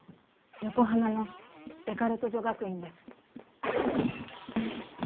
横浜のデカルト女学院です。